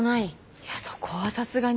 いやそこはさすがに。